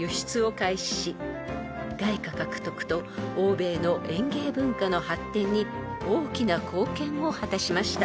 ［外貨獲得と欧米の園芸文化の発展に大きな貢献を果たしました］